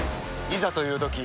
いざというとき